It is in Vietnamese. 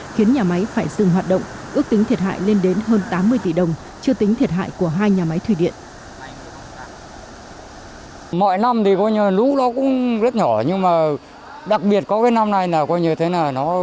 khiến nhà máy phải dừng hoạt động ước tính thiệt hại lên đến hơn tám mươi tỷ đồng chưa tính thiệt hại của hai nhà máy thủy điện